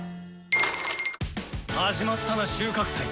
始まったな収穫祭。